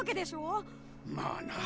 まあな。